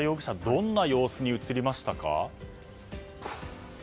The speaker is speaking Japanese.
どんな様子に映りましたか？